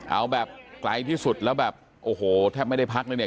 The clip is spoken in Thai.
เอาแบบไกลที่สุดแล้วแบบโอ้โหแทบไม่ได้พักเลยเนี่ย